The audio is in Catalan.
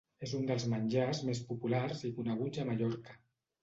És un dels menjars més populars i coneguts a Mallorca.